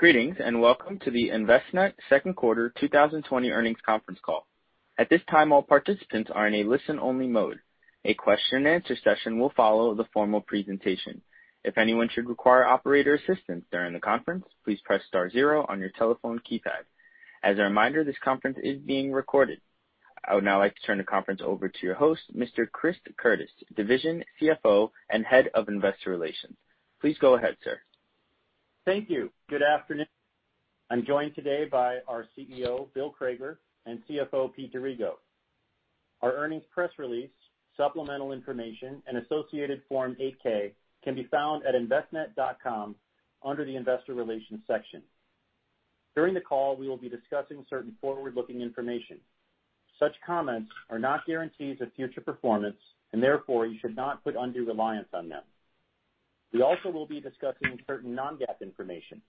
Greetings, welcome to the Envestnet Second Quarter 2020 Earnings Conference Call. At this time, all participants are in a listen-only mode. A question and answer session will follow the formal presentation. If anyone should require operator assistance during the conference, please press star zero on your telephone keypad. As a reminder, this conference is being recorded. I would now like to turn the conference over to your host, Mr. Chris Curtis, Division CFO and Head of Investor Relations. Please go ahead, sir. Thank you. Good afternoon. I'm joined today by our CEO, Bill Crager, and CFO, Pete D'Arrigo. Our earnings press release, supplemental information, and associated Form 8-K can be found at envestnet.com under the investor relations section. During the call, we will be discussing certain forward-looking information. Such comments are not guarantees of future performance, and therefore, you should not put undue reliance on them. We also will be discussing certain non-GAAP information.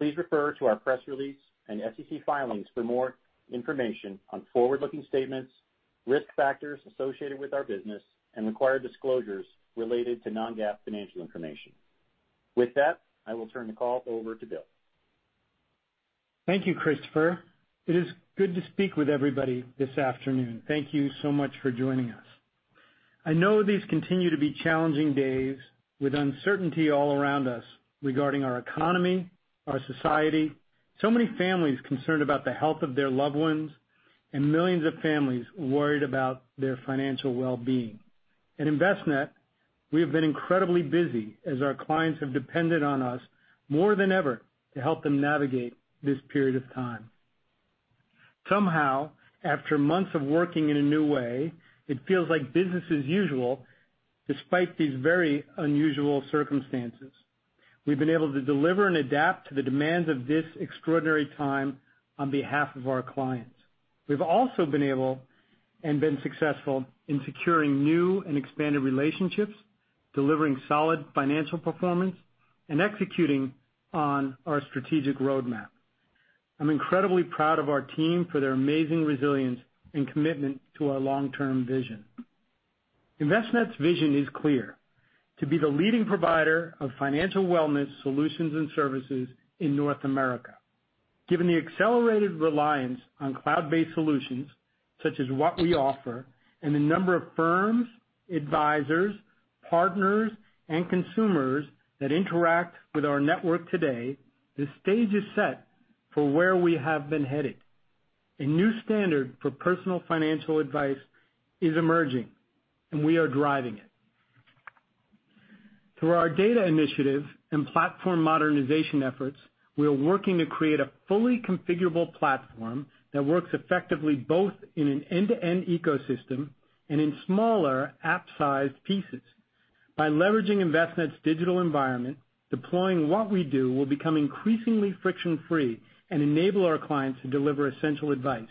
Please refer to our press release and SEC filings for more information on forward-looking statements, risk factors associated with our business, and required disclosures related to non-GAAP financial information. With that, I will turn the call over to Bill. Thank you, Christopher. It is good to speak with everybody this afternoon. Thank you so much for joining us. I know these continue to be challenging days with uncertainty all around us regarding our economy, our society, so many families concerned about the health of their loved ones, and millions of families worried about their financial well-being. At Envestnet, we have been incredibly busy as our clients have depended on us more than ever to help them navigate this period of time. Somehow, after months of working in a new way, it feels like business as usual despite these very unusual circumstances. We've been able to deliver and adapt to the demands of this extraordinary time on behalf of our clients. We've also been able and been successful in securing new and expanded relationships, delivering solid financial performance, and executing on our strategic roadmap. I'm incredibly proud of our team for their amazing resilience and commitment to our long-term vision. Envestnet's vision is clear: To be the leading provider of financial wellness solutions and services in North America. Given the accelerated reliance on cloud-based solutions such as what we offer and the number of firms, advisors, partners, and consumers that interact with our network today, the stage is set for where we have been headed. A new standard for personal financial advice is emerging, and we are driving it. Through our data initiative and platform modernization efforts, we are working to create a fully configurable platform that works effectively both in an end-to-end ecosystem and in smaller app-sized pieces. By leveraging Envestnet's digital environment, deploying what we do will become increasingly friction-free and enable our clients to deliver essential advice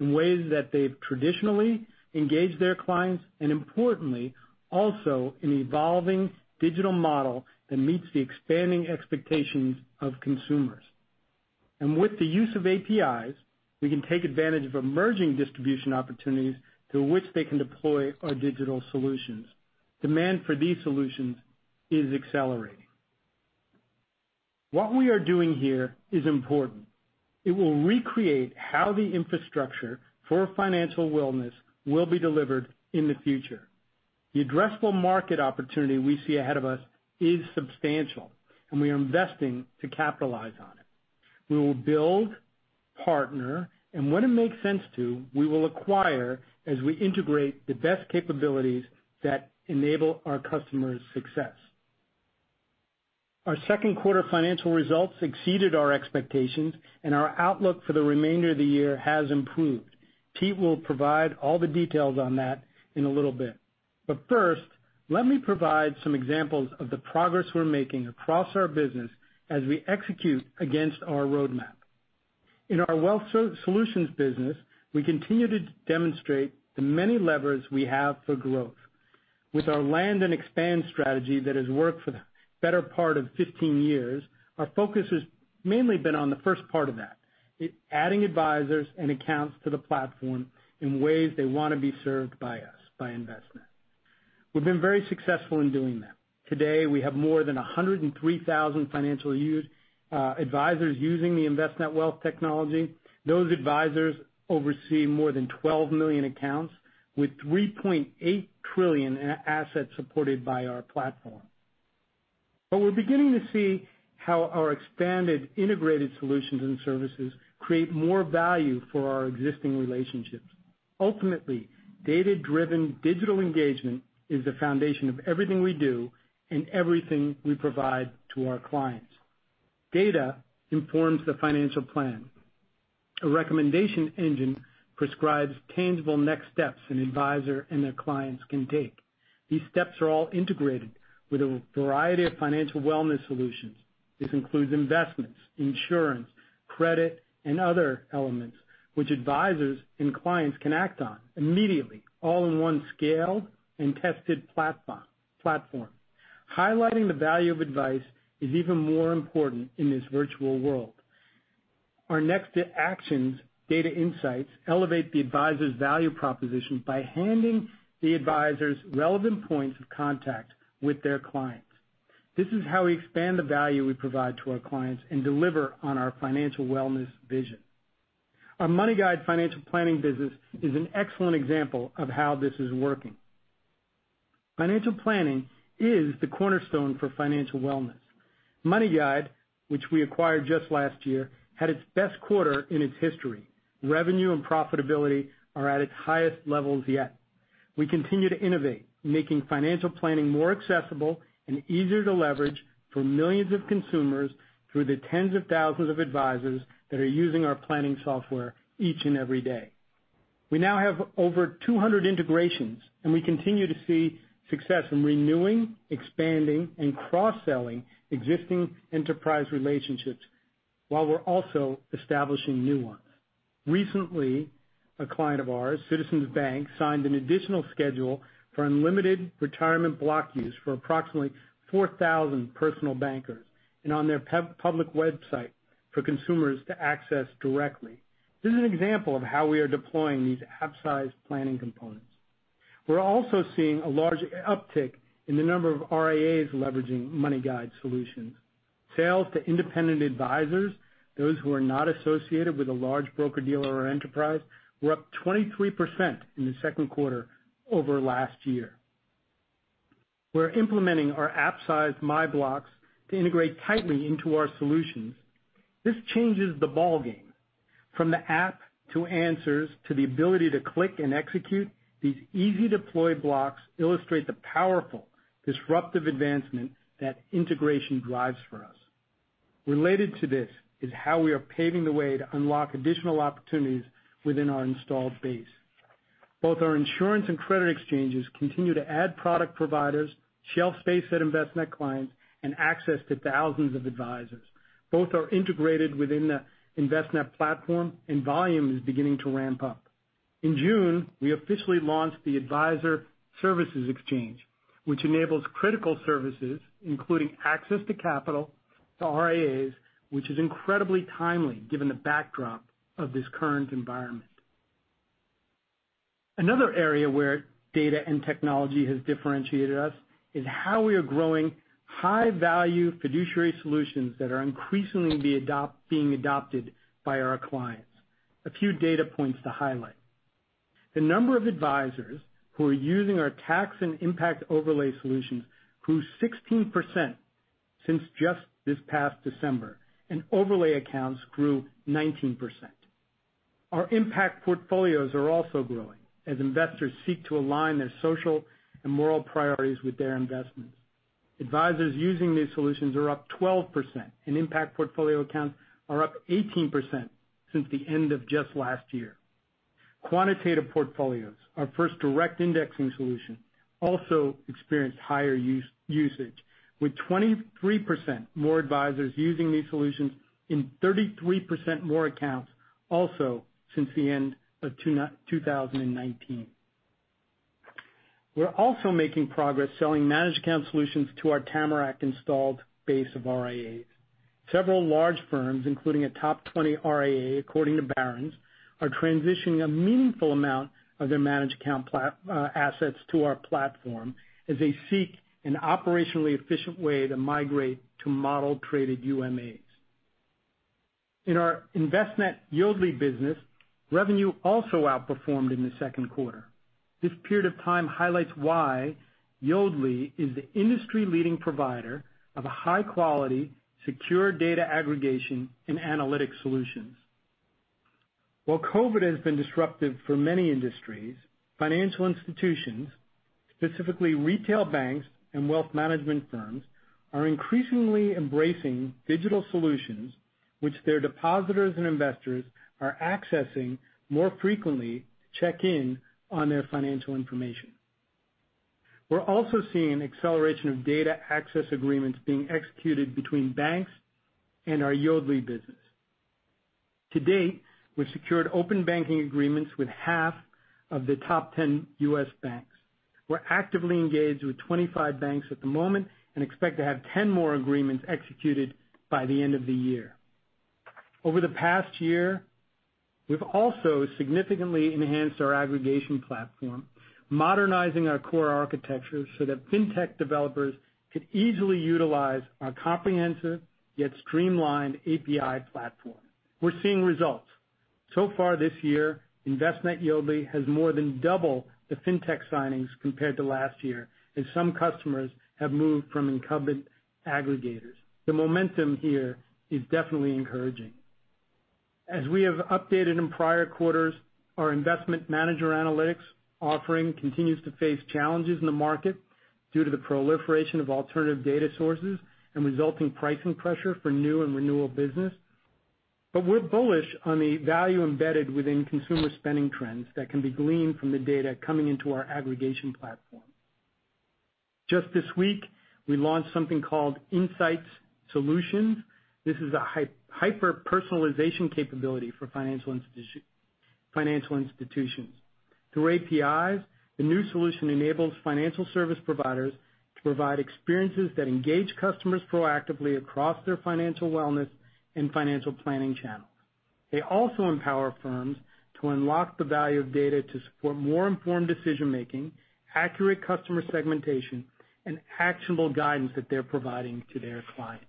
in ways that they've traditionally engaged their clients, and importantly, also an evolving digital model that meets the expanding expectations of consumers. With the use of APIs, we can take advantage of emerging distribution opportunities through which they can deploy our digital solutions. Demand for these solutions is accelerating. What we are doing here is important. It will recreate how the infrastructure for financial wellness will be delivered in the future. The addressable market opportunity we see ahead of us is substantial, and we are investing to capitalize on it. We will build, partner, and when it makes sense to, we will acquire as we integrate the best capabilities that enable our customers' success. Our second quarter financial results exceeded our expectations, and our outlook for the remainder of the year has improved. Pete will provide all the details on that in a little bit. First, let me provide some examples of the progress we're making across our business as we execute against our roadmap. In our wealth solutions business, we continue to demonstrate the many levers we have for growth. With our land and expand strategy that has worked for the better part of 15 years, our focus has mainly been on the first part of that, adding advisors and accounts to the platform in ways they want to be served by us, by Envestnet. We've been very successful in doing that. Today, we have more than 103,000 financial advisors using the Envestnet wealth technology. Those advisors oversee more than 12 million accounts with $3.8 trillion in assets supported by our platform. We're beginning to see how our expanded integrated solutions and services create more value for our existing relationships. Ultimately, data-driven digital engagement is the foundation of everything we do and everything we provide to our clients. Data informs the financial plan. A recommendation engine prescribes tangible next steps an advisor and their clients can take. These steps are all integrated with a variety of financial wellness solutions. This includes investments, insurance, credit, and other elements which advisors and clients can act on immediately, all in one scale and tested platform. Highlighting the value of advice is even more important in this virtual world. Our next actions, Insights Solutions, elevate the advisor's value proposition by handing the advisors relevant points of contact with their clients. This is how we expand the value we provide to our clients and deliver on our financial wellness vision. Our MoneyGuide financial planning business is an excellent example of how this is working. Financial planning is the cornerstone for financial wellness. MoneyGuide, which we acquired just last year, had its best quarter in its history. Revenue and profitability are at its highest levels yet. We continue to innovate, making financial planning more accessible and easier to leverage for millions of consumers through the tens of thousands of advisors that are using our planning software each and every day. We now have over 200 integrations, and we continue to see success in renewing, expanding, and cross-selling existing enterprise relationships, while we're also establishing new ones. Recently, a client of ours, Citizens Bank, signed an additional schedule for unlimited retirement block use for approximately 4,000 personal bankers and on their public website for consumers to access directly. This is an example of how we are deploying these app-sized planning components. We're also seeing a large uptick in the number of RIAs leveraging MoneyGuide solutions. Sales to independent advisors, those who are not associated with a large broker-dealer or enterprise, were up 23% in the second quarter over last year. We're implementing our app size MyBlocks to integrate tightly into our solutions. This changes the ballgame. From the app to answers, to the ability to click and execute, these easy deploy blocks illustrate the powerful disruptive advancement that integration drives for us. Related to this is how we are paving the way to unlock additional opportunities within our installed base. Both our insurance and credit exchanges continue to add product providers, shelf space at Envestnet clients, and access to thousands of advisors. Both are integrated within the Envestnet platform. Volume is beginning to ramp up. In June, we officially launched the Advisor Services Exchange, which enables critical services, including access to capital, to RIAs, which is incredibly timely given the backdrop of this current environment. Another area where data and technology has differentiated us is how we are growing high-value fiduciary solutions that are increasingly being adopted by our clients. A few data points to highlight. The number of advisors who are using our tax and impact overlay solutions grew 16% since just this past December. Overlay accounts grew 19%. Our impact portfolios are also growing as investors seek to align their social and moral priorities with their investments. Advisors using these solutions are up 12%, and impact portfolio accounts are up 18% since the end of just last year. Quantitative Portfolios, our first direct indexing solution, also experienced higher usage with 23% more advisors using these solutions in 33% more accounts also since the end of 2019. We're also making progress selling managed account solutions to our Tamarac installed base of RIAs. Several large firms, including a top 20 RIA according to Barron's, are transitioning a meaningful amount of their managed account assets to our platform as they seek an operationally efficient way to migrate to model-traded UMAs. In our Envestnet | Yodlee business, revenue also outperformed in the second quarter. This period of time highlights why Yodlee is the industry-leading provider of a high-quality, secure data aggregation and analytic solutions. While COVID has been disruptive for many industries, financial institutions, specifically retail banks and wealth management firms, are increasingly embracing digital solutions which their depositors and investors are accessing more frequently to check in on their financial information. We're also seeing an acceleration of data access agreements being executed between banks and our Yodlee business. To date, we've secured open banking agreements with half of the top 10 U.S. banks. We're actively engaged with 25 banks at the moment and expect to have 10 more agreements executed by the end of the year. Over the past year, we've also significantly enhanced our aggregation platform, modernizing our core architecture so that fintech developers could easily utilize our comprehensive, yet streamlined API platform. We're seeing results. Far this year, Envestnet Yodlee has more than doubled the fintech signings compared to last year, and some customers have moved from incumbent aggregators. The momentum here is definitely encouraging. As we have updated in prior quarters, our investment manager analytics offering continues to face challenges in the market due to the proliferation of alternative data sources and resulting pricing pressure for new and renewal business. We're bullish on the value embedded within consumer spending trends that can be gleaned from the data coming into our aggregation platform. Just this week, we launched something called Insights Solutions. This is a hyper-personalization capability for financial institutions. Through APIs, the new solution enables financial service providers to provide experiences that engage customers proactively across their financial wellness and financial planning channels. They also empower firms to unlock the value of data to support more informed decision-making, accurate customer segmentation, and actionable guidance that they're providing to their clients.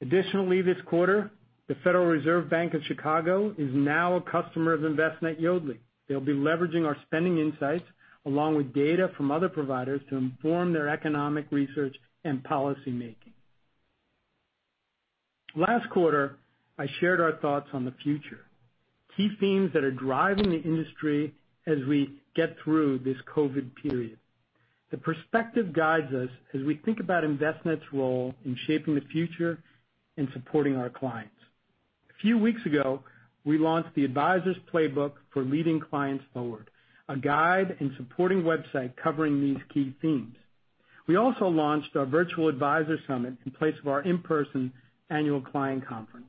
Additionally, this quarter, the Federal Reserve Bank of Chicago is now a customer of Envestnet Yodlee. They'll be leveraging our spending insights, along with data from other providers, to inform their economic research and policymaking. Last quarter, I shared our thoughts on the future, key themes that are driving the industry as we get through this COVID period. The perspective guides us as we think about Envestnet's role in shaping the future and supporting our clients. A few weeks ago, we launched the Advisor's Playbook for Leading Clients Forward, a guide and supporting website covering these key themes. We also launched our virtual advisor summit in place of our in-person annual client conference.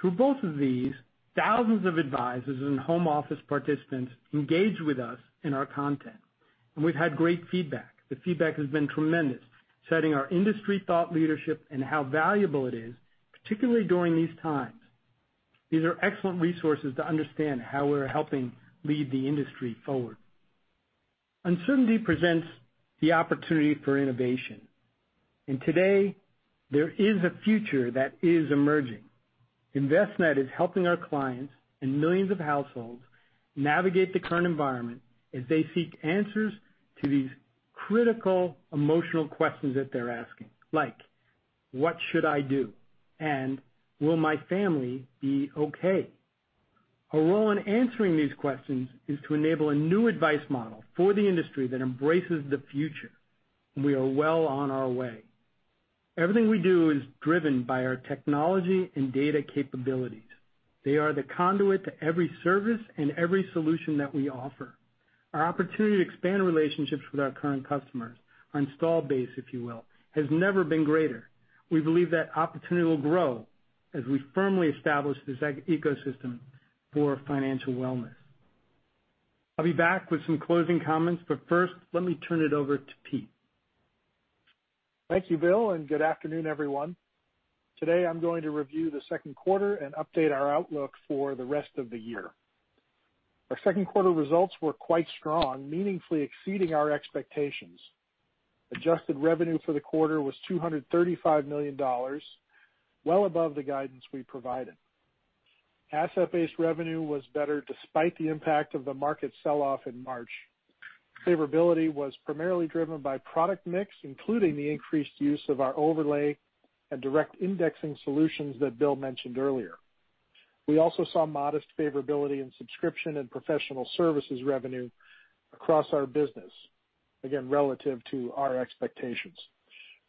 Through both of these, thousands of advisors and home office participants engaged with us in our content, and we've had great feedback. The feedback has been tremendous, citing our industry thought leadership and how valuable it is, particularly during these times. These are excellent resources to understand how we're helping lead the industry forward. Uncertainty presents the opportunity for innovation. Today there is a future that is emerging. Envestnet is helping our clients and millions of households navigate the current environment as they seek answers to these critical emotional questions that they're asking, like, what should I do? Will my family be okay? Our role in answering these questions is to enable a new advice model for the industry that embraces the future. We are well on our way. Everything we do is driven by our technology and data capabilities. They are the conduit to every service and every solution that we offer. Our opportunity to expand relationships with our current customers, our install base, if you will, has never been greater. We believe that opportunity will grow as we firmly establish this ecosystem for financial wellness. I'll be back with some closing comments, but first, let me turn it over to Pete. Thank you, Bill, good afternoon, everyone. Today I'm going to review the second quarter and update our outlook for the rest of the year. Our second quarter results were quite strong, meaningfully exceeding our expectations. Adjusted revenue for the quarter was $235 million, well above the guidance we provided. Asset-based revenue was better despite the impact of the market sell-off in March. Favorability was primarily driven by product mix, including the increased use of our overlay and direct indexing solutions that Bill mentioned earlier. We also saw modest favorability in subscription and professional services revenue across our business, again, relative to our expectations.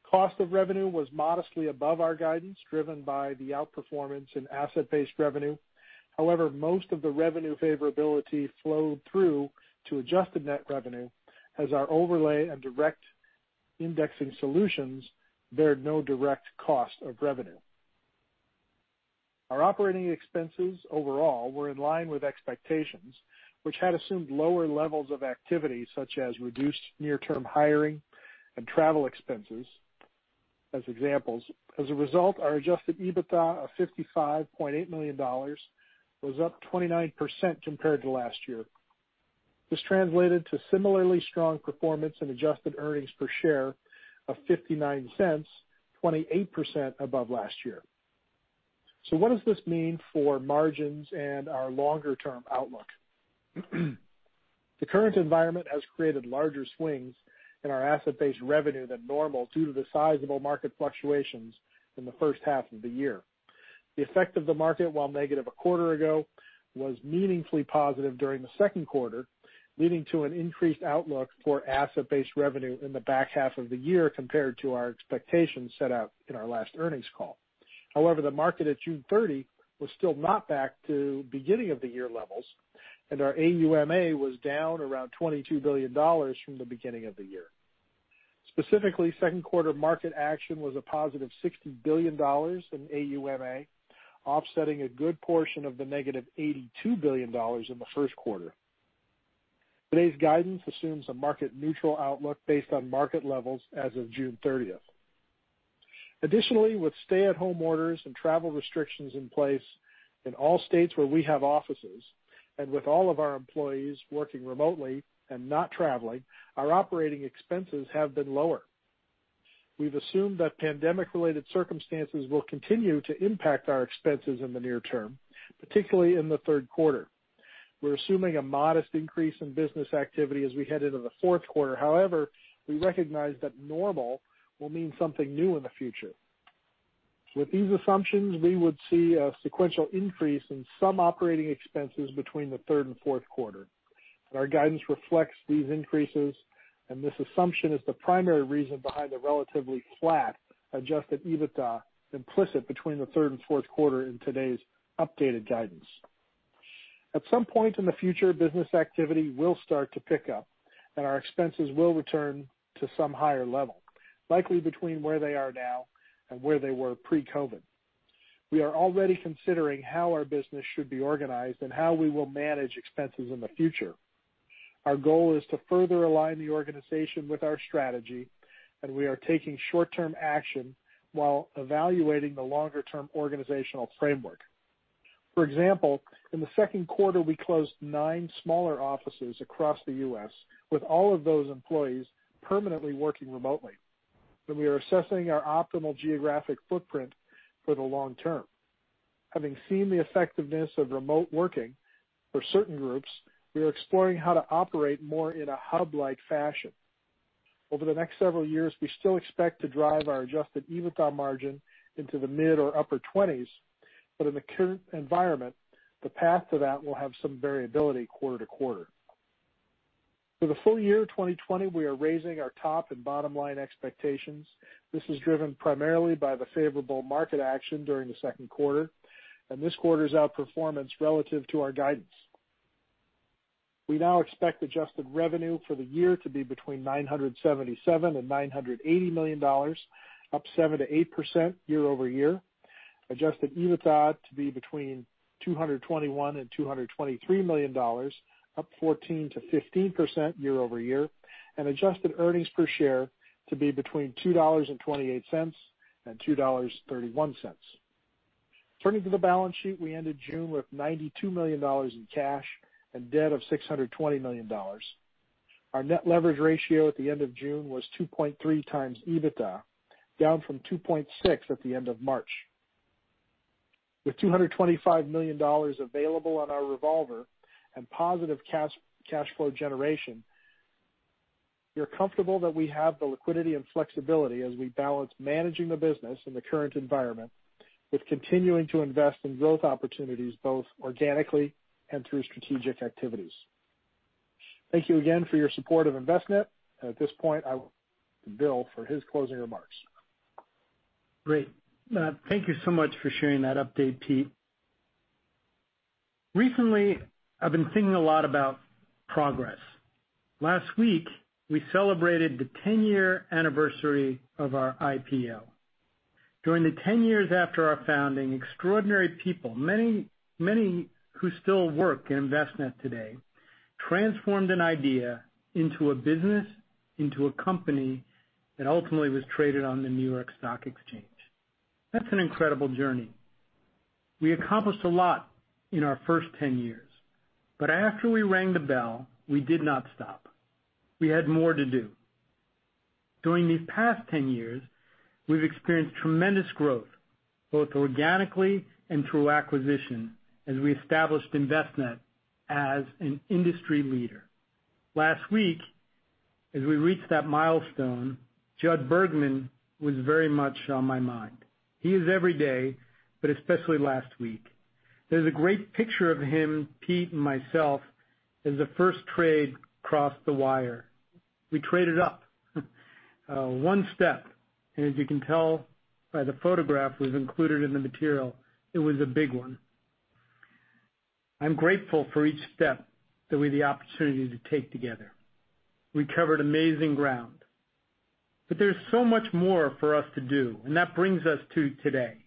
Cost of revenue was modestly above our guidance, driven by the outperformance in asset-based revenue. Most of the revenue favorability flowed through to adjusted net revenue as our overlay and direct indexing solutions bear no direct cost of revenue. Our operating expenses overall were in line with expectations, which had assumed lower levels of activity, such as reduced near-term hiring and travel expenses as examples. As a result, our adjusted EBITDA of $55.8 million was up 29% compared to last year. This translated to similarly strong performance in adjusted earnings per share of $0.59, 28% above last year. What does this mean for margins and our longer-term outlook? The current environment has created larger swings in our asset-based revenue than normal due to the sizable market fluctuations in the first half of the year. The effect of the market, while negative a quarter ago, was meaningfully positive during the second quarter, leading to an increased outlook for asset-based revenue in the back half of the year compared to our expectations set out in our last earnings call. However, the market at June 30 was still not back to beginning of the year levels, and our AUMA was down around $22 billion from the beginning of the year. Specifically, second quarter market action was a positive $60 billion in AUMA, offsetting a good portion of the negative $82 billion in the first quarter. Today's guidance assumes a market neutral outlook based on market levels as of June 30th. Additionally, with stay-at-home orders and travel restrictions in place in all states where we have offices, and with all of our employees working remotely and not traveling, our operating expenses have been lower. We've assumed that pandemic related circumstances will continue to impact our expenses in the near term, particularly in the third quarter. We're assuming a modest increase in business activity as we head into the fourth quarter. However, we recognize that normal will mean something new in the future. With these assumptions, we would see a sequential increase in some operating expenses between the third and fourth quarter. Our guidance reflects these increases, and this assumption is the primary reason behind the relatively flat adjusted EBITDA implicit between the third and fourth quarter in today's updated guidance. At some point in the future, business activity will start to pick up, and our expenses will return to some higher level, likely between where they are now and where they were pre-COVID. We are already considering how our business should be organized and how we will manage expenses in the future. Our goal is to further align the organization with our strategy, and we are taking short-term action while evaluating the longer-term organizational framework. For example, in the second quarter, we closed nine smaller offices across the U.S. with all of those employees permanently working remotely. We are assessing our optimal geographic footprint for the long term. Having seen the effectiveness of remote working for certain groups, we are exploring how to operate more in a hub-like fashion. Over the next several years, we still expect to drive our adjusted EBITDA margin into the mid or upper 20s, but in the current environment, the path to that will have some variability quarter to quarter. For the full year 2020, we are raising our top and bottom line expectations. This is driven primarily by the favorable market action during the second quarter and this quarter's outperformance relative to our guidance. We now expect adjusted revenue for the year to be between $977 and $980 million, up 7%-8% year-over-year, adjusted EBITDA to be between $221 and $223 million, up 14%-15% year-over-year, and adjusted earnings per share to be between $2.28 and $2.31. Turning to the balance sheet, we ended June with $92 million in cash and debt of $620 million. Our net leverage ratio at the end of June was 2.3 times EBITDA, down from 2.6 at the end of March. With $225 million available on our revolver and positive cash flow generation, we are comfortable that we have the liquidity and flexibility as we balance managing the business in the current environment with continuing to invest in growth opportunities, both organically and through strategic activities. Thank you again for your support of Envestnet. At this point, I go to Bill for his closing remarks. Great. Thank you so much for sharing that update, Pete. Recently, I've been thinking a lot about progress. Last week, we celebrated the 10-year anniversary of our IPO. During the 10 years after our founding, extraordinary people, many who still work in Envestnet today, transformed an idea into a business, into a company that ultimately was traded on the New York Stock Exchange. That's an incredible journey. We accomplished a lot in our first 10 years. After we rang the bell, we did not stop. We had more to do. During these past 10 years, we've experienced tremendous growth, both organically and through acquisition, as we established Envestnet as an industry leader. Last week, as we reached that milestone, Jud Bergman was very much on my mind. He is every day, but especially last week. There's a great picture of him, Pete, and myself as the first trade crossed the wire. We traded up one step, and as you can tell by the photograph that was included in the material, it was a big one. I'm grateful for each step that we had the opportunity to take together. We covered amazing ground. There's so much more for us to do, and that brings us to today.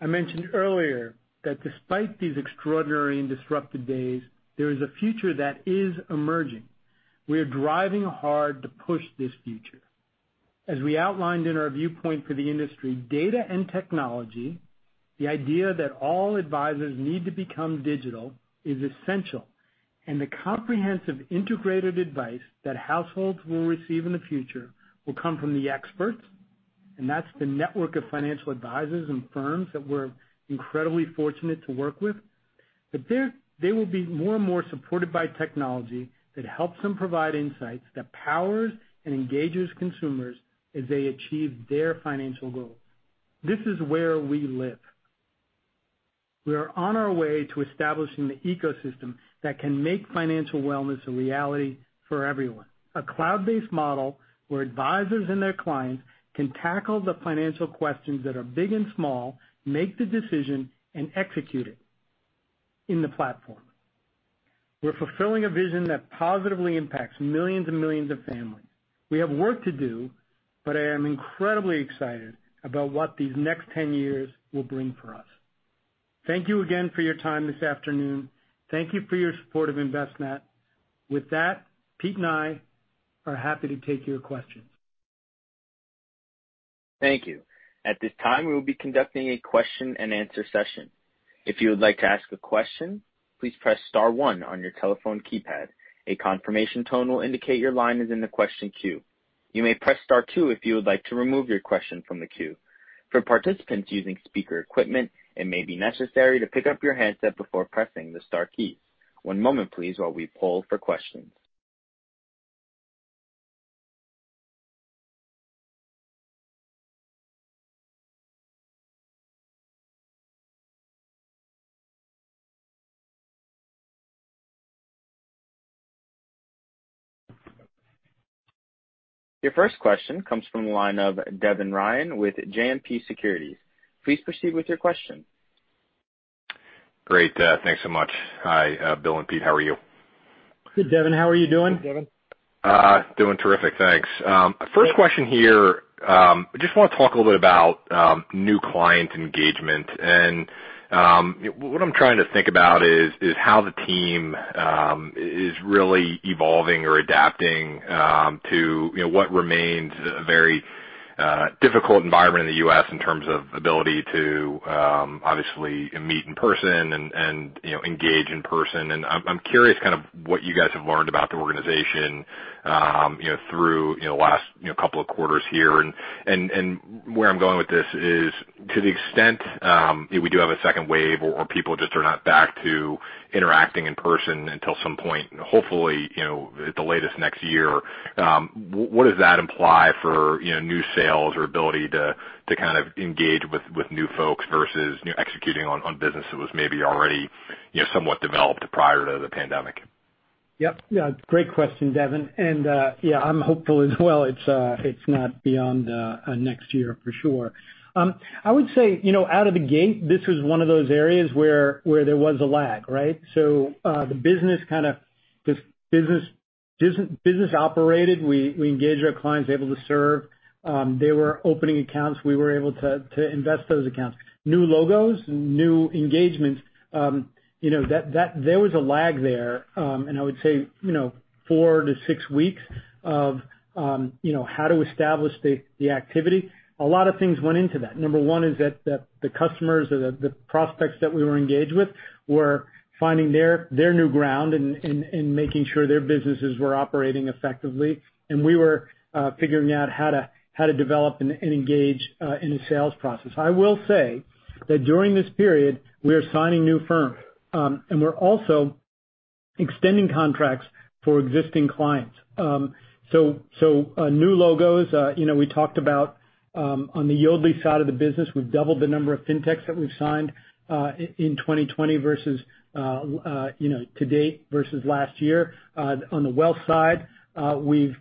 I mentioned earlier that despite these extraordinary and disruptive days, there is a future that is emerging. We are driving hard to push this future. As we outlined in our viewpoint for the industry, data and technology, the idea that all advisors need to become digital is essential, and the comprehensive integrated advice that households will receive in the future will come from the experts. That's the network of financial advisors and firms that we're incredibly fortunate to work with. They will be more and more supported by technology that helps them provide insights that powers and engages consumers as they achieve their financial goals. This is where we live. We are on our way to establishing the ecosystem that can make financial wellness a reality for everyone. A cloud-based model where advisors and their clients can tackle the financial questions that are big and small, make the decision, and execute it in the platform. We're fulfilling a vision that positively impacts millions and millions of families. We have work to do, but I am incredibly excited about what these next 10 years will bring for us. Thank you again for your time this afternoon. Thank you for your support of Envestnet. With that, Pete and I are happy to take your questions. Thank you. At this time, we will be conducting a question and answer session. If you would like to ask a question, please press star one on your telephone keypad. A confirmation tone will indicate your line is in the question queue. You may press star two if you would like to remove your question from the queue. For participants using speaker equipment, it may be necessary to pick up your handset before pressing the star keys. One moment, please, while we poll for questions. Your first question comes from the line of Devin Ryan with JMP Securities. Please proceed with your question. Great. Thanks so much. Hi, Bill and Pete. How are you? Good, Devin. How are you doing? Good, Devin. Doing terrific, thanks. First question here. I just want to talk a little bit about new client engagement. What I'm trying to think about is how the team is really evolving or adapting to what remains a very difficult environment in the U.S. in terms of ability to obviously meet in person and engage in person. I'm curious kind of what you guys have learned about the organization through the last couple of quarters here. Where I'm going with this is to the extent we do have a second wave, or people just are not back to interacting in person until some point, hopefully, at the latest next year, what does that imply for new sales or ability to kind of engage with new folks versus executing on business that was maybe already somewhat developed prior to the pandemic? Yep. Great question, Devin. I'm hopeful as well it's not beyond next year for sure. I would say, out of the gate, this was one of those areas where there was a lag, right? The business kind of just operated. We engaged our clients able to serve. They were opening accounts. We were able to invest those accounts. New logos, new engagements, there was a lag there. I would say four to six weeks of how to establish the activity. A lot of things went into that. Number one is that the customers or the prospects that we were engaged with were finding their new ground and making sure their businesses were operating effectively. We were figuring out how to develop and engage in the sales process. I will say that during this period, we are signing new firms. We're also extending contracts for existing clients. New logos we talked about on the Yodlee side of the business, we've doubled the number of Fintechs that we've signed in 2020 versus to date versus last year. On the wealth side, we've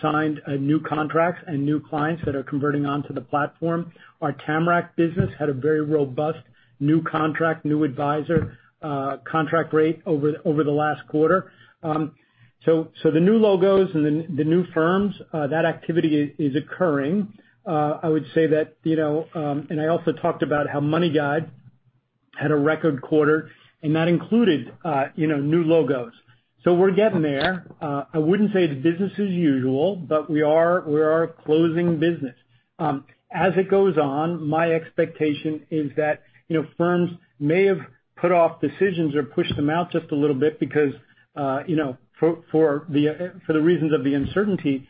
signed new contracts and new clients that are converting onto the platform. Our Tamarac business had a very robust new contract, new advisor contract rate over the last quarter. The new logos and the new firms, that activity is occurring. I also talked about how MoneyGuide had a record quarter, and that included new logos. We're getting there. I wouldn't say it's business as usual, but we are closing business. As it goes on, my expectation is that firms may have put off decisions or pushed them out just a little bit because for the reasons of the uncertainty.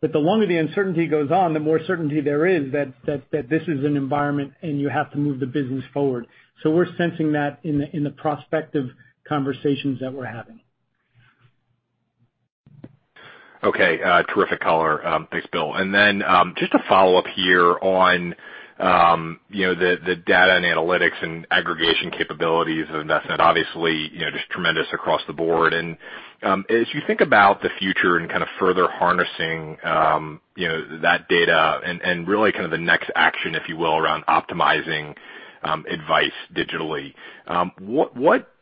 The longer the uncertainty goes on, the more certainty there is that this is an environment and you have to move the business forward. We're sensing that in the prospective conversations that we're having. Okay. Terrific color. Thanks, Bill. Then just to follow up here on the data and analytics and aggregation capabilities of Envestnet obviously just tremendous across the board. As you think about the future and kind of further harnessing that data and really kind of the next action, if you will, around optimizing advice digitally. What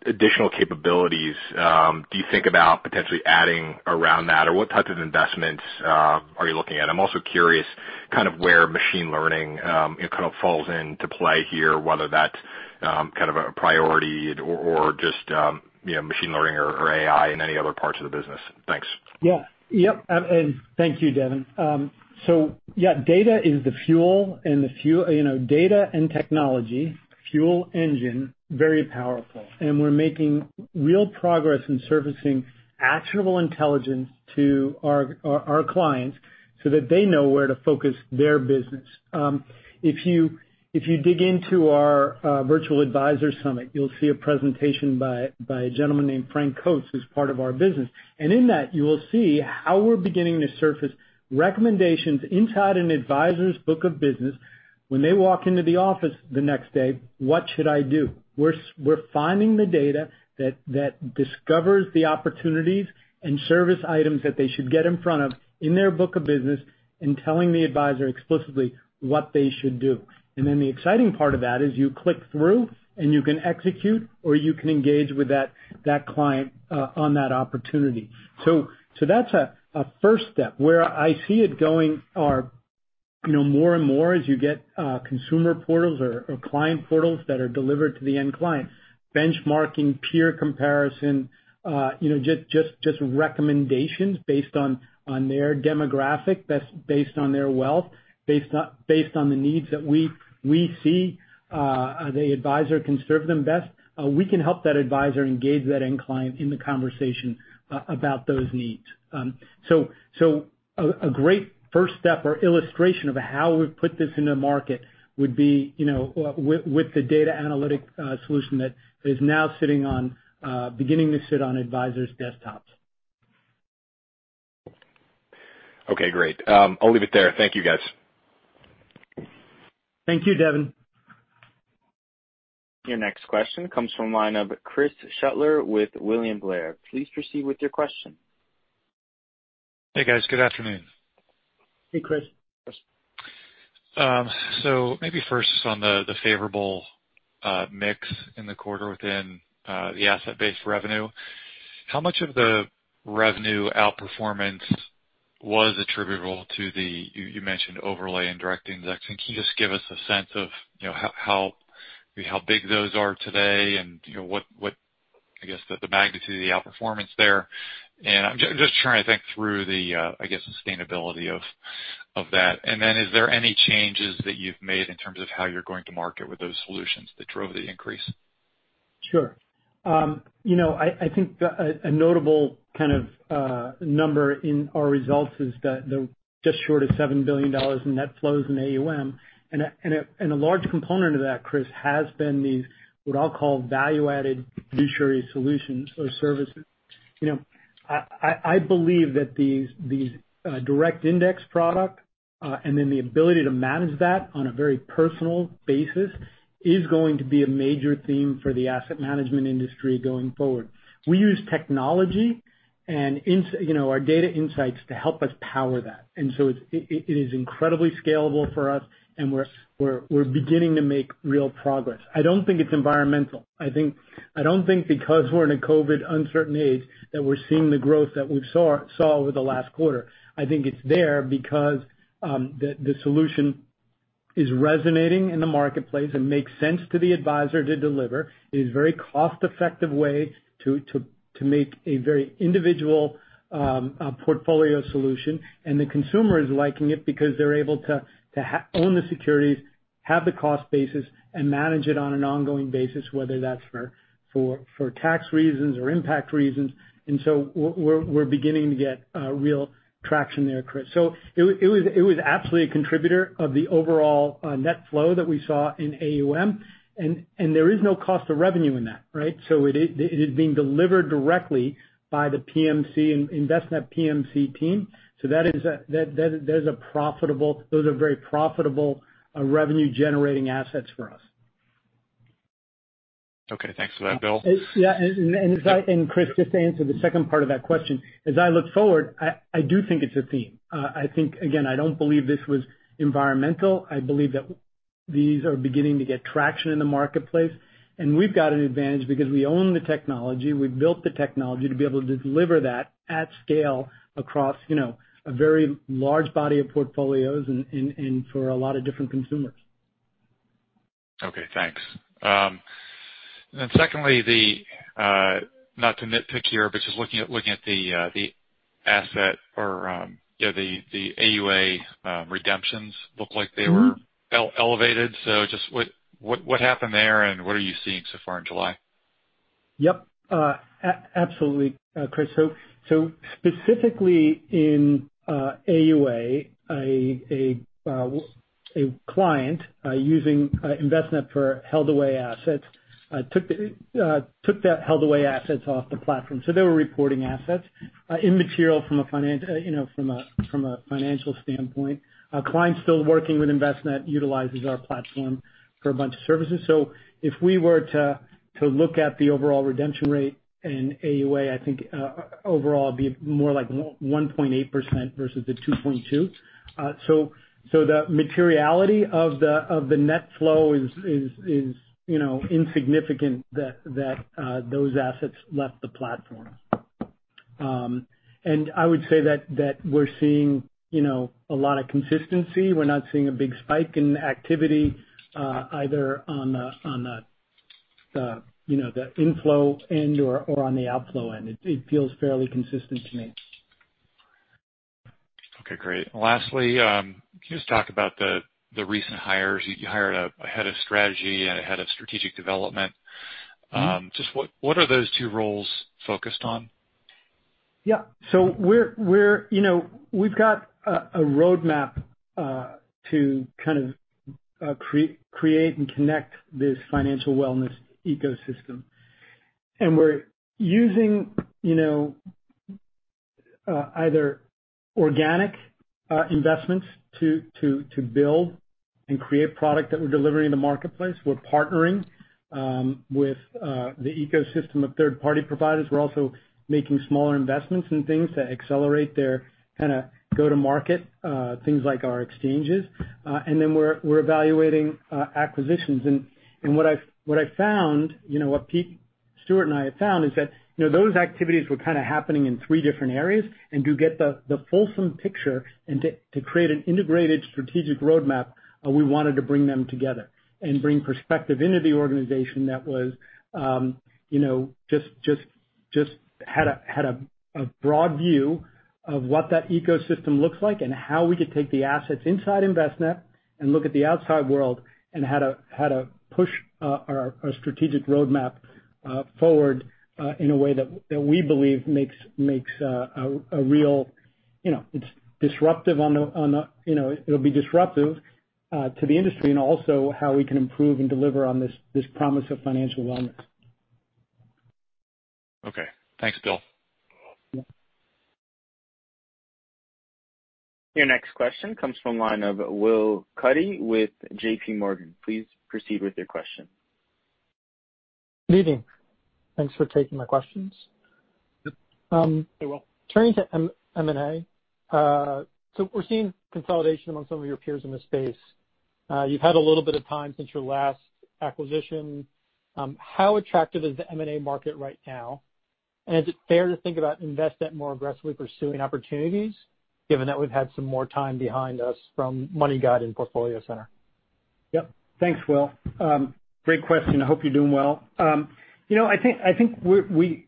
additional capabilities do you think about potentially adding around that? What types of investments are you looking at? I'm also curious kind of where machine learning kind of falls into play here, whether that's kind of a priority or just machine learning or AI in any other parts of the business. Thanks. Yeah. Thank you, Devin. Yeah. Data is the fuel and technology, fuel engine, very powerful. We're making real progress in servicing actionable intelligence to our clients so that they know where to focus their business. If you dig into our virtual advisor summit, you'll see a presentation by a gentleman named Frank Coates, who's part of our business. In that, you will see how we're beginning to surface recommendations inside an advisor's book of business. When they walk into the office the next day, what should I do? We're finding the data that discovers the opportunities and service items that they should get in front of in their book of business and telling the advisor explicitly what they should do. Then the exciting part of that is you click through, and you can execute, or you can engage with that client on that opportunity. That's a first step. Where I see it going are more and more as you get consumer portals or client portals that are delivered to the end client. Benchmarking, peer comparison, just recommendations based on their demographic, based on their wealth, based on the needs that we see the advisor can serve them best. We can help that advisor engage that end client in the conversation about those needs. A great first step or illustration of how we've put this into market would be with the Insights Solutions that is now beginning to sit on advisors' desktops. Okay, great. I'll leave it there. Thank you, guys. Thank you, Devin. Your next question comes from line of Chris Shutler with William Blair. Please proceed with your question. Hey, guys. Good afternoon. Hey, Chris. Maybe first on the favorable mix in the quarter within the asset-based revenue. How much of the revenue outperformance was attributable to the, you mentioned overlay and direct index. Can you just give us a sense of how big those are today and what, I guess, the magnitude of the outperformance there? I'm just trying to think through the, I guess, sustainability of that. Is there any changes that you've made in terms of how you're going to market with those solutions that drove the increase? Sure. I think a notable kind of number in our results is the just short of $7 billion in net flows in AUM, and a large component of that, Chris, has been these, what I'll call value-added fiduciary solutions or services. I believe that these direct index product, and then the ability to manage that on a very personal basis, is going to be a major theme for the asset management industry going forward. We use technology and our data insights to help us power that. It is incredibly scalable for us and we're beginning to make real progress. I don't think it's environmental. I don't think because we're in a COVID uncertain age that we're seeing the growth that we saw over the last quarter. I think it's there because the solution is resonating in the marketplace and makes sense to the advisor to deliver. It is very cost-effective way to make a very individual portfolio solution. The consumer is liking it because they're able to own the securities, have the cost basis, and manage it on an ongoing basis, whether that's for tax reasons or impact reasons. We're beginning to get real traction there, Chris. It was absolutely a contributor of the overall net flow that we saw in AUM, and there is no cost of revenue in that, right? It is being delivered directly by the Envestnet PMC team. Those are very profitable revenue-generating assets for us. Okay. Thanks for that, Bill. Yeah. Chris, just to answer the second part of that question. As I look forward, I do think it's a theme. Again, I don't believe this was environmental. I believe that these are beginning to get traction in the marketplace. We've got an advantage because we own the technology. We've built the technology to be able to deliver that at scale across a very large body of portfolios and for a lot of different consumers. Okay. Thanks. Secondly, not to nitpick here, but just looking at the asset or the AUA redemptions looked like they were elevated. Just what happened there, and what are you seeing so far in July? Yep. Absolutely. Chris, specifically in AUA, a client using Envestnet for held away assets took that held away assets off the platform. They were reporting assets. Immaterial from a financial standpoint. Client's still working with Envestnet, utilizes our platform for a bunch of services. If we were to look at the overall redemption rate in AUA, I think overall it'd be more like 1.8% versus the 2.2%. The materiality of the net flow is insignificant that those assets left the platform. I would say that we're seeing a lot of consistency. We're not seeing a big spike in activity either on the inflow end or on the outflow end. It feels fairly consistent to me. Okay, great. Lastly, can you just talk about the recent hires? You hired a head of strategy and a head of strategic development. Just what are those two roles focused on? Yeah. We've got a roadmap to kind of create and connect this financial wellness ecosystem. We're using either organic investments to build and create product that we're delivering in the marketplace. We're partnering with the ecosystem of third-party providers. We're also making smaller investments in things to accelerate their kind of go to market, things like our exchanges. We're evaluating acquisitions. What I found, what Pete, Stuart and I have found is that those activities were kind of happening in three different areas. To get the fulsome picture and to create an integrated strategic roadmap, We wanted to bring them together and bring perspective into the organization that just had a broad view of what that ecosystem looks like and how we could take the assets inside Envestnet and look at the outside world, and how to push our strategic roadmap forward in a way that we believe It'll be disruptive to the industry, and also how we can improve and deliver on this promise of financial wellness. Okay. Thanks, Bill. Your next question comes from line of Will Cuddy with JPMorgan. Please proceed with your question. Good evening. Thanks for taking my questions. You're welcome. Turning to M&A. We're seeing consolidation among some of your peers in this space. You've had a little bit of time since your last acquisition. How attractive is the M&A market right now? Is it fair to think about Envestnet more aggressively pursuing opportunities given that we've had some more time behind us from MoneyGuide and PortfolioCenter? Yep. Thanks, Will. Great question. I hope you're doing well. I think we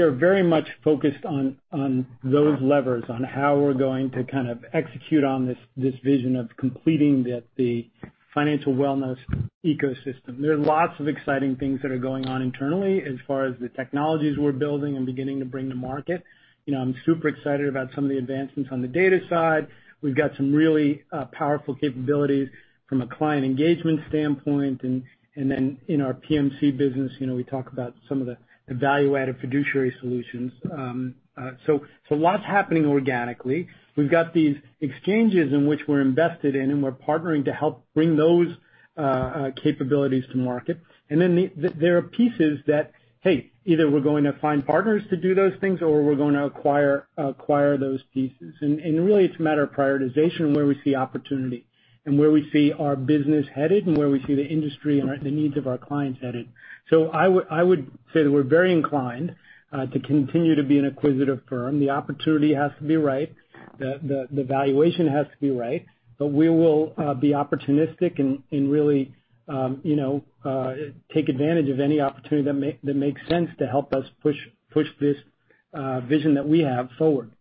are very much focused on those levers, on how we're going to kind of execute on this vision of completing the financial wellness ecosystem. There are lots of exciting things that are going on internally as far as the technologies we're building and beginning to bring to market. I'm super excited about some of the advancements on the data side. We've got some really powerful capabilities from a client engagement standpoint, and then in our PMC business, we talk about some of the value-added fiduciary solutions. Lots happening organically. We've got these exchanges in which we're invested in, and we're partnering to help bring those capabilities to market. And then there are pieces that, hey, either we're going to find partners to do those things, or we're going to acquire those pieces. Really, it's a matter of prioritization and where we see opportunity and where we see our business headed and where we see the industry and the needs of our clients headed. I would say that we're very inclined to continue to be an acquisitive firm. The opportunity has to be right. The valuation has to be right. We will be opportunistic and really take advantage of any opportunity that makes sense to help us push this vision that we have forward.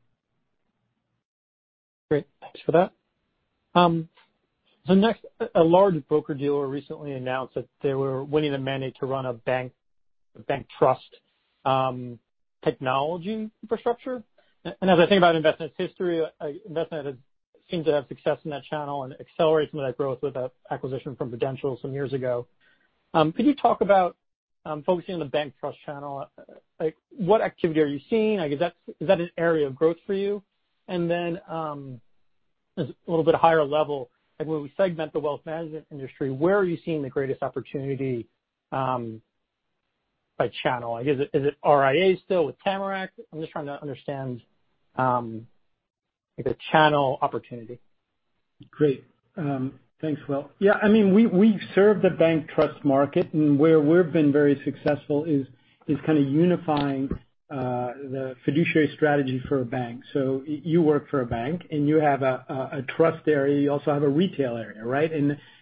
Great. Thanks for that. Next, a large broker-dealer recently announced that they were winning the mandate to run a bank trust technology infrastructure. As I think about Envestnet's history, Envestnet seems to have success in that channel and accelerate some of that growth with that acquisition from Prudential some years ago. Could you talk about focusing on the bank trust channel? What activity are you seeing? Is that an area of growth for you? Then, as a little bit higher level, when we segment the wealth management industry, where are you seeing the greatest opportunity by channel? Is it RIA still with Tamarac? I'm just trying to understand the channel opportunity. Great. Thanks, Will. Yeah, we've served the bank trust market, where we've been very successful is kind of unifying the fiduciary strategy for a bank. You work for a bank, and you have a trust area, you also have a retail area, right?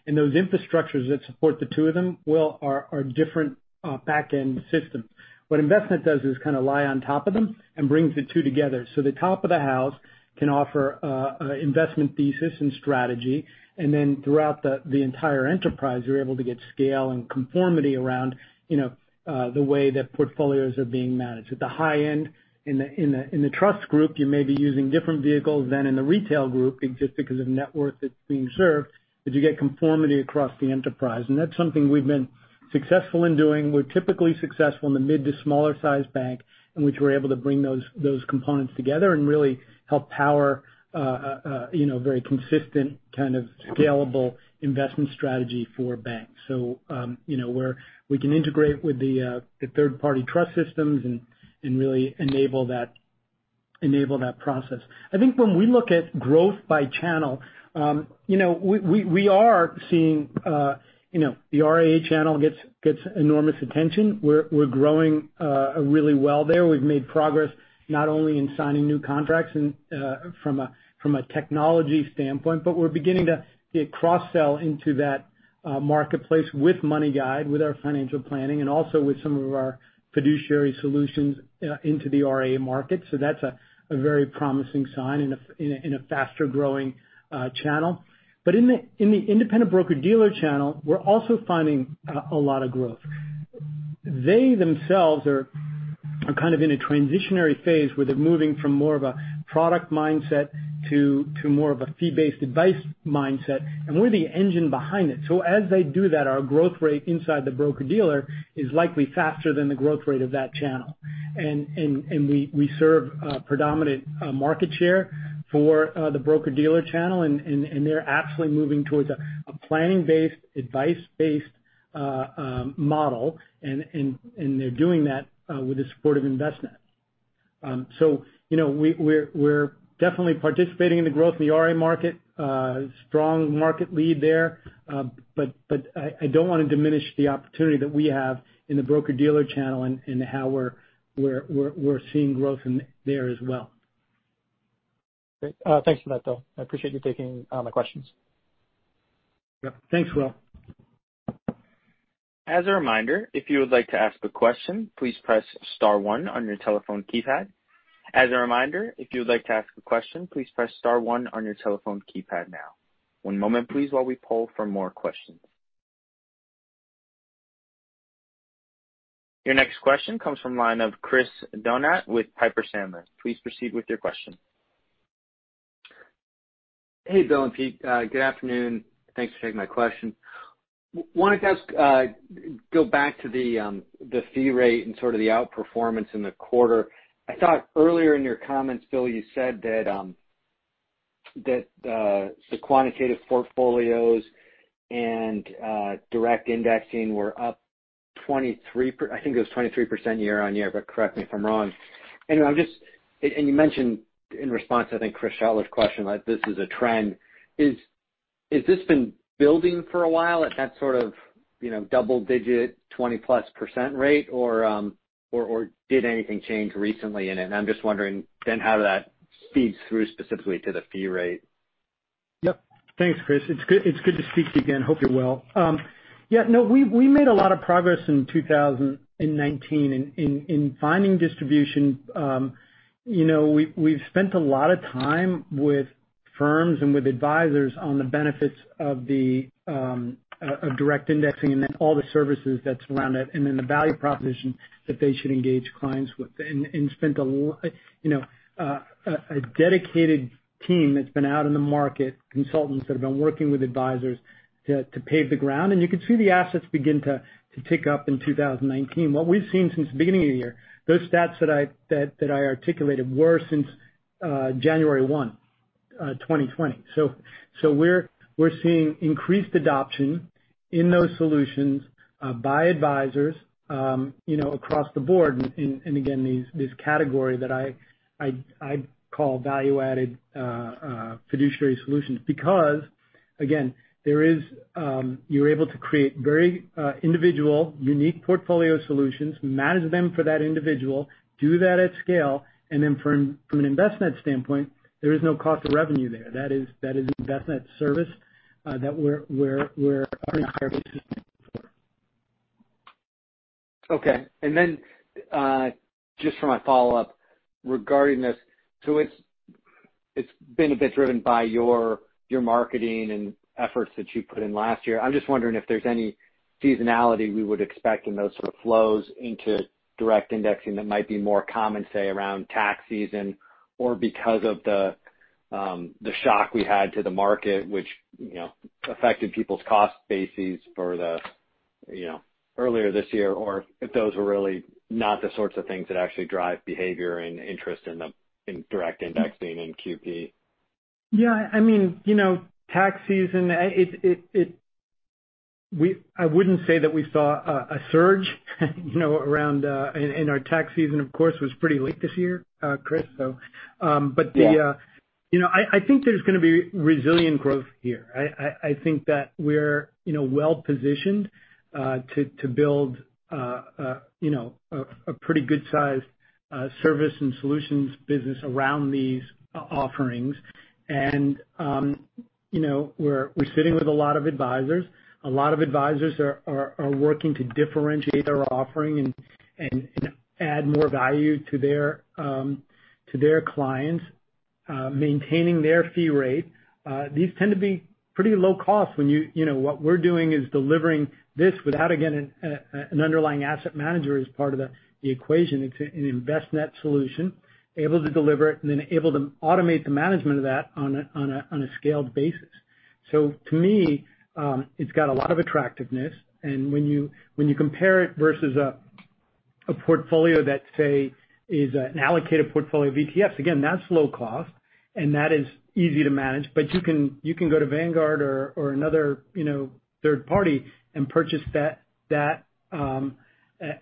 Those infrastructures that support the two of them, well, are different back-end systems. What Envestnet does is kind of lie on top of them and brings the two together. The top of the house can offer an investment thesis and strategy, and then throughout the entire enterprise, you're able to get scale and conformity around the way that portfolios are being managed. At the high end in the trust group, you may be using different vehicles than in the retail group just because of net worth that's being served, but you get conformity across the enterprise. That's something we've been successful in doing. We're typically successful in the mid to smaller size bank in which we're able to bring those components together and really help power a very consistent kind of scalable investment strategy for banks. We can integrate with the third-party trust systems and really enable that process. I think when we look at growth by channel, we are seeing the RIA channel gets enormous attention. We're growing really well there. We've made progress not only in signing new contracts from a technology standpoint, but we're beginning to cross-sell into that marketplace with MoneyGuide, with our financial planning, and also with some of our fiduciary solutions into the RIA market. That's a very promising sign in a faster-growing channel. In the independent broker-dealer channel, we're also finding a lot of growth. They themselves are kind of in a transitionary phase where they're moving from more of a product mindset to more of a fee-based advice mindset, and we're the engine behind it. As they do that, our growth rate inside the broker-dealer is likely faster than the growth rate of that channel. We serve a predominant market share for the broker-dealer channel, and they're absolutely moving towards a planning-based, advice-based model. They're doing that with the support of Envestnet. We're definitely participating in the growth in the RIA market. Strong market lead there. I don't want to diminish the opportunity that we have in the broker-dealer channel and how we're seeing growth there as well. Great. Thanks for that, Bill. I appreciate you taking my questions. Yeah. Thanks, Will. Your next question comes from line of Chris Donat with Piper Sandler. Please proceed with your question. Hey, Bill and Pete. Good afternoon. Thanks for taking my question. Wanted to ask, go back to the fee rate and sort of the outperformance in the quarter. I thought earlier in your comments, Bill, you said that the Quantitative Portfolios and direct indexing were up 23%, I think it was 23% year-over-year, but correct me if I'm wrong. You mentioned in response, I think, Chris Shutler's question, like this is a trend. Has this been building for a while at that sort of double-digit, 20%-plus rate, or did anything change recently in it? I'm just wondering how that feeds through specifically to the fee rate. Yep. Thanks, Chris. It's good to speak to you again. Hope you're well. Yeah, no, we made a lot of progress in 2019 in finding distribution. We have spent a lot of time with firms and with advisors on the benefits of direct indexing and then all the services that surround it, and then the value proposition that they should engage clients with. A dedicated team that has been out in the market, consultants that have been working with advisors to pave the ground, and you could see the assets begin to tick up in 2019. What we have seen since the beginning of the year, those stats that I articulated were since January one, 2020. We are seeing increased adoption in those solutions by advisors across the board in, again, this category that I call value-added fiduciary solutions. Again, you're able to create very individual, unique portfolio solutions, manage them for that individual, do that at scale, from an Envestnet standpoint, there is no cost of revenue there. That is Envestnet service that we're hiring for. Okay. Just for my follow-up regarding this. It's been a bit driven by your marketing and efforts that you put in last year. I'm just wondering if there's any seasonality we would expect in those sort of flows into direct indexing that might be more common, say, around tax season or because of the shock we had to the market, which affected people's cost bases for the earlier this year, or if those were really not the sorts of things that actually drive behavior and interest in direct indexing and QP. Yeah. Tax season, I wouldn't say that we saw a surge around and our tax season, of course, was pretty late this year, Chris. Yeah. I think there's going to be resilient growth here. I think that we're well-positioned to build a pretty good-sized service and solutions business around these offerings. We're sitting with a lot of advisors. A lot of advisors are working to differentiate their offering and add more value to their clients, maintaining their fee rate. These tend to be pretty low cost. What we're doing is delivering this without, again, an underlying asset manager as part of the equation. It's an Envestnet solution, able to deliver it, and then able to automate the management of that on a scaled basis. To me, it's got a lot of attractiveness, and when you compare it versus a portfolio that, say, is an allocated portfolio of ETFs, again, that's low cost, and that is easy to manage. You can go to Vanguard or another third party and purchase that at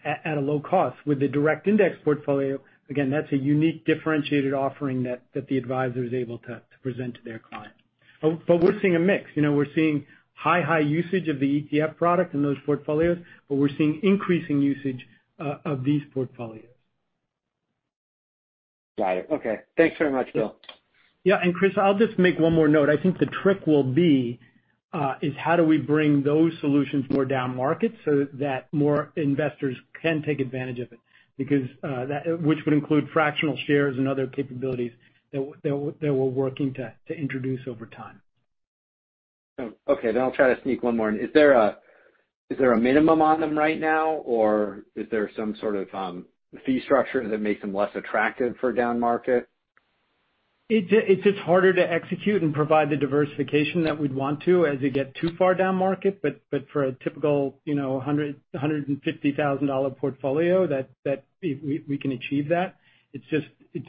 a low cost. With the direct index portfolio, again, that's a unique differentiated offering that the advisor is able to present to their client. We're seeing a mix. We're seeing high usage of the ETF product in those portfolios, but we're seeing increasing usage of these portfolios. Got it. Okay. Thanks very much, Bill. Yeah, Chris, I'll just make one more note. I think the trick will be is how do we bring those solutions more down market so that more investors can take advantage of it, which would include fractional shares and other capabilities that we're working to introduce over time. Oh, okay. I'll try to sneak one more in. Is there a minimum on them right now, or is there some sort of fee structure that makes them less attractive for down market? It's just harder to execute and provide the diversification that we'd want to as you get too far down market. For a typical $150,000 portfolio, we can achieve that. It'd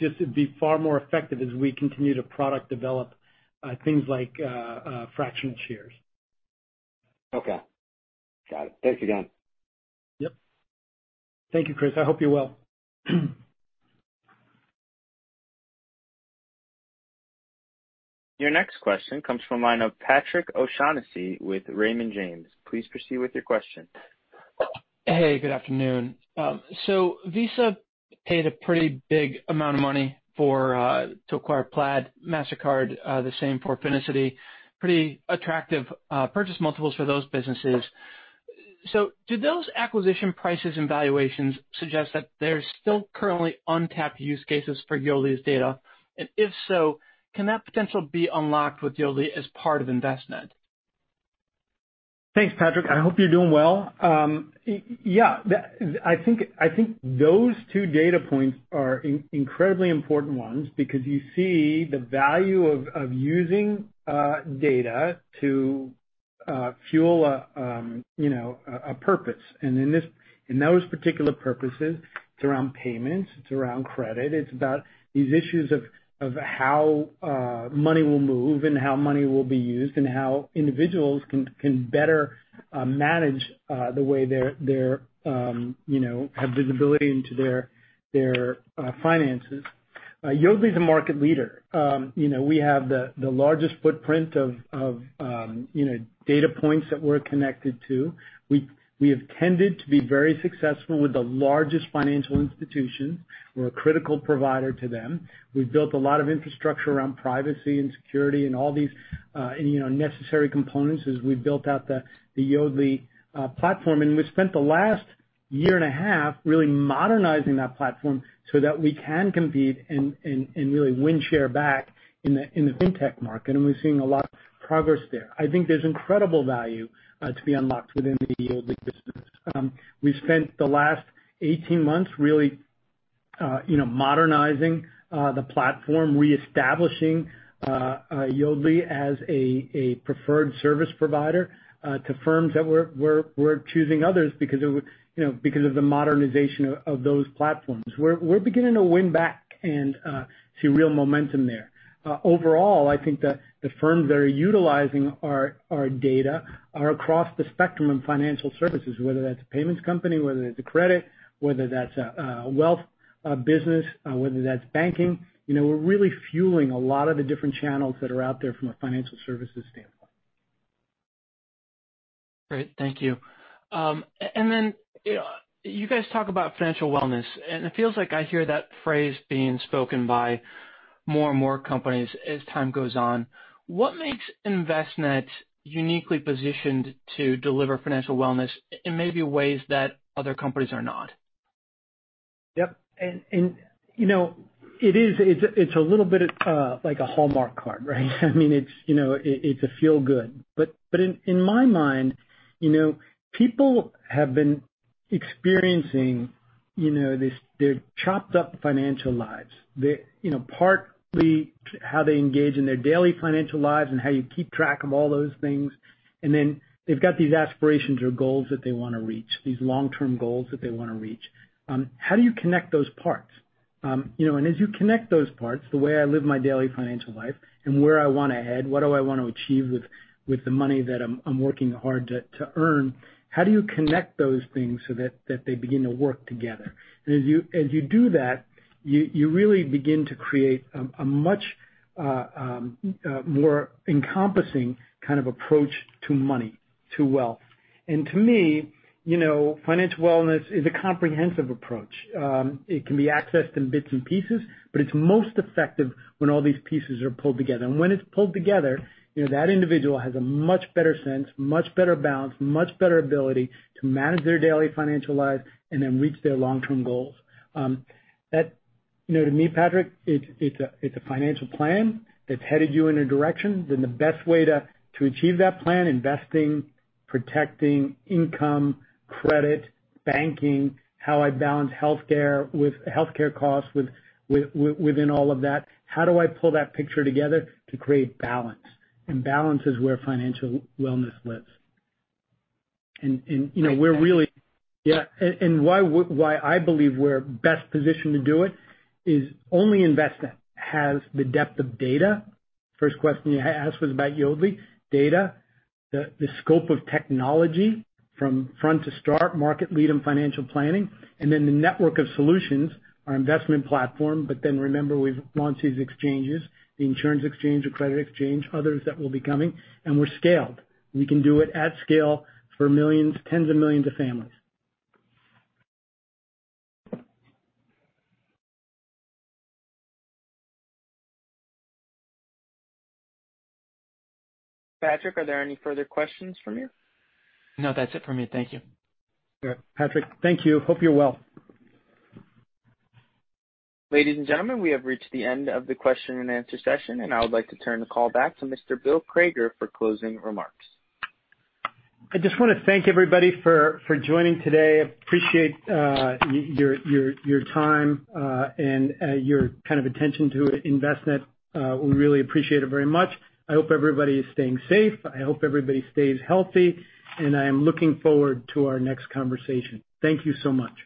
just be far more effective as we continue to product develop things like fractional shares. Okay. Got it. Thanks again. Yep. Thank you, Chris. I hope you're well. Your next question comes from the line of Patrick O'Shaughnessy with Raymond James. Please proceed with your question. Hey, good afternoon. Visa paid a pretty big amount of money to acquire Plaid. Mastercard, the same for Finicity. Pretty attractive purchase multiples for those businesses. Do those acquisition prices and valuations suggest that there's still currently untapped use cases for Yodlee's data? If so, can that potential be unlocked with Yodlee as part of Envestnet? Thanks, Patrick. I hope you're doing well. Yeah. I think those two data points are incredibly important ones because you see the value of using data to fuel a purpose. In those particular purposes, it's around payments, it's around credit, it's about these issues of how money will move and how money will be used and how individuals can better manage the way they have visibility into their finances. Yodlee is a market leader. We have the largest footprint of data points that we're connected to. We have tended to be very successful with the largest financial institution. We're a critical provider to them. We've built a lot of infrastructure around privacy and security and all these necessary components as we built out the Yodlee platform. We've spent the last year and a half really modernizing that platform so that we can compete and really win share back in the fintech market, and we're seeing a lot of progress there. I think there's incredible value to be unlocked within the Yodlee business. We've spent the last 18 months really modernizing the platform, reestablishing Yodlee as a preferred service provider to firms that were choosing others because of the modernization of those platforms. We're beginning to win back and see real momentum there. Overall, I think that the firms that are utilizing our data are across the spectrum of financial services, whether that's a payments company, whether that's a credit, whether that's a wealth business, whether that's banking. We're really fueling a lot of the different channels that are out there from a financial services standpoint. Great. Thank you. You guys talk about financial wellness, and it feels like I hear that phrase being spoken by more and more companies as time goes on. What makes Envestnet uniquely positioned to deliver financial wellness in maybe ways that other companies are not? Yep. It's a little bit like a Hallmark card, right? It's a feel-good. In my mind, people have been experiencing their chopped up financial lives. Partly how they engage in their daily financial lives and how you keep track of all those things. They've got these aspirations or goals that they want to reach, these long-term goals that they want to reach. How do you connect those parts? As you connect those parts, the way I live my daily financial life and where I want to head, what do I want to achieve with the money that I'm working hard to earn? How do you connect those things so that they begin to work together? As you do that, you really begin to create a much more encompassing kind of approach to money, to wealth. To me, financial wellness is a comprehensive approach. It can be accessed in bits and pieces, but it's most effective when all these pieces are pulled together. When it's pulled together, that individual has a much better sense, much better balance, much better ability to manage their daily financial lives and then reach their long-term goals. To me, Patrick, it's a financial plan that's headed you in a direction, then the best way to achieve that plan, investing, protecting income, credit, banking, how I balance healthcare costs within all of that. How do I pull that picture together to create balance? Balance is where financial wellness lives. Yeah. Why I believe we're best positioned to do it is only Envestnet has the depth of data. First question you asked was about Yodlee data. The scope of technology from front to start, market lead in financial planning, then the network of solutions, our Envestnet platform. Remember, we've launched these exchanges, the Insurance Exchange, the Credit Exchange, others that will be coming, and we're scaled. We can do it at scale for tens of millions of families. Patrick, are there any further questions from you? No, that's it from me. Thank you. Sure. Patrick, thank you. Hope you're well. Ladies and gentlemen, we have reached the end of the question and answer session. I would like to turn the call back to Mr. Bill Crager for closing remarks. I just want to thank everybody for joining today. Appreciate your time and your attention to Envestnet. We really appreciate it very much. I hope everybody is staying safe. I hope everybody stays healthy, and I am looking forward to our next conversation. Thank you so much.